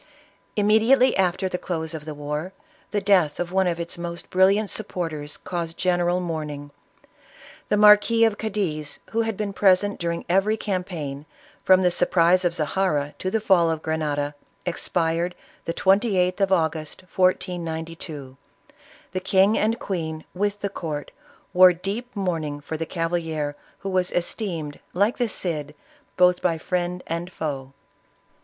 Immediately after the close "of the war, the death of one of its most brilliant supporters caused general mourning. The Marquis of Cadiz, who had been pres ent during every campaign, from the surprise of Zahara to the fall of Grenada, expired the 28th of August, 1492. The king and queen, with the court, wore deep mourning for the cavalier, who was esteemed, like the Cid, both by friend and foe.